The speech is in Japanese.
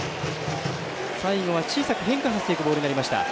最後は小さく変化していくボールになりました。